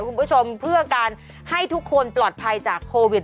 คุณผู้ชมเพื่อการให้ทุกคนปลอดภัยจากโควิด